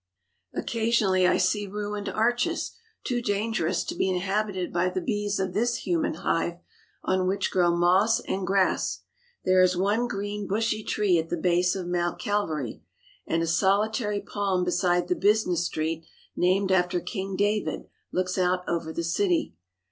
Occasionally I see ruined arches, too dangerous to be inhabited by the bees of this human hive, on which grow moss and grass. There is one green bushy tree at the base of Mount Cal vary, and a solitary palm beside the business street named after King David looks out over the city.